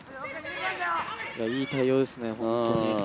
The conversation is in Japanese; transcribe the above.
いい対応ですね、本当に。